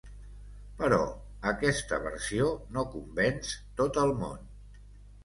Però aquesta versió no convenç tot el món.